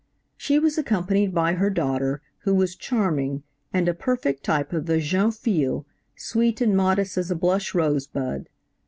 She was accompanied by her daughter, who was charming, and a perfect type of the jeune fille, sweet and modest as a blush rose bud.